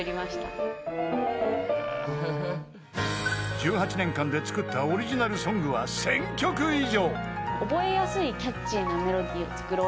［１８年間で作ったオリジナルソングは１，０００曲以上！］